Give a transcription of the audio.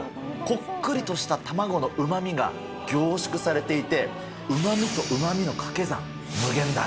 こっくりとした卵のうまみが凝縮されていて、うまみとうまみの掛け算、無限大。